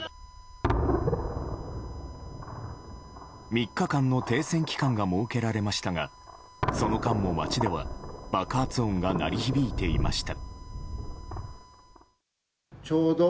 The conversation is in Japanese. ３日間の停戦期間が設けられましたがその間も街では爆発音が鳴り響いていました。